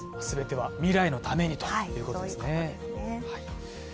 全ては未来のためにということですね。